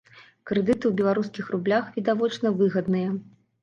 Крэдыты ў беларускіх рублях, відавочна, выгадныя.